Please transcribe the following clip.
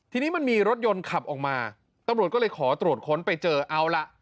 ทีนี้มันมีรถยนต์ขับออกมาตำรวจก็เลยขอตรวจค้นไปเจอเอาล่ะ